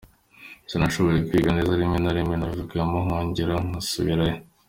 Sinashoboye kwiga neza, rimwe na rimwe narivagamo, nkongera nkasubirayo.